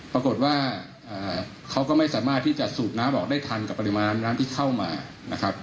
ปรากฏว่าเขาก็ไม่สามารถที่จะสูบน้ำออกได้ทันกับปริมาณน้ำที่เข้ามานะครับ